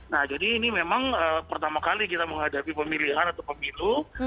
nah jadi ini memang pertama kali kita menghadapi pemilihan atau pemilu